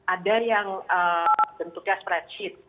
ada yang bentuknya spreadsheet